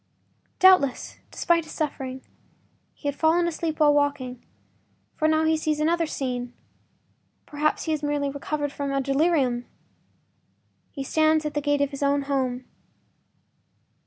Doubtless, despite his suffering, he had fallen asleep while walking, for now he sees another scene—perhaps he has merely recovered from a delirium. He stands at the gate of his own home.